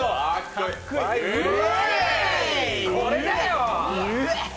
これだよぉ！